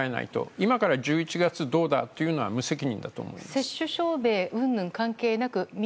今から１１月どうだというのは無責任だと思います。